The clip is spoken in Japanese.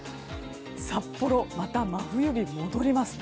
札幌、また真冬日が戻ります。